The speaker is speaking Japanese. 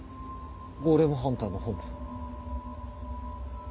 ゴーレムハンターの本部。